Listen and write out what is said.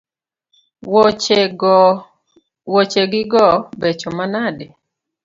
Woche gi go becho manade